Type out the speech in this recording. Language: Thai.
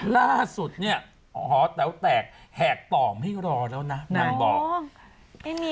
ล่าสุดเนี่ยหอแต๋วแตกแหกต่อไม่รอแล้วนะนางบอกไม่มี